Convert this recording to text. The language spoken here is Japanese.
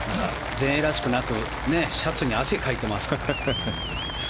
全英らしくなく、シャツに汗をかいていますからね。